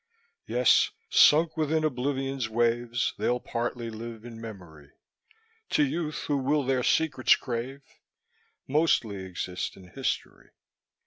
Yes, sunk within oblivion's waves, They'll partly live in memory; To youth, who will their secrets crave, Mostly exist in history.